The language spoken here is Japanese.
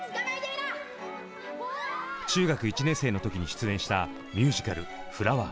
中学１年生の時に出演したミュージカル「フラワー」。